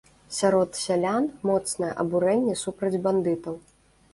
Сярод сялян моцнае абурэнне супраць бандытаў.